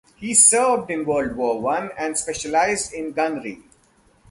He served in World War One and specialized in gunnery.